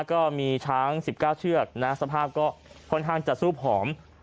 ก็มีช้างสิบเก้าเชือกนะฮะสภาพก็ค่อนข้างจะซูบหอม